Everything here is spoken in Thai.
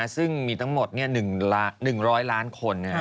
ซึ่งมีทั้งหมด๑๐๐ล้านคน